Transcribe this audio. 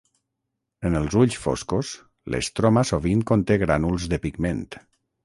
En els ulls foscos, l'estroma sovint conté grànuls de pigment.